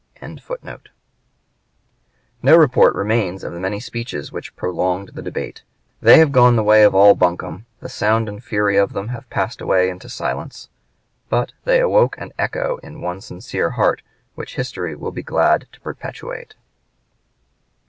] No report remains of the many speeches which prolonged the debate; they have gone the way of all buncombe; the sound and fury of them have passed away into silence; but they woke an echo in one sincere heart which history will be glad to perpetuate.